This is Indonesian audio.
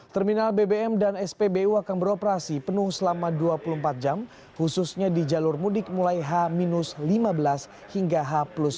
terminal bbm dan spbu akan beroperasi penuh selama dua puluh empat jam khususnya di jalur mudik mulai h lima belas hingga h sepuluh